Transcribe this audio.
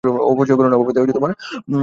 অপচয় কর না, অভাবেতে পড়ো না।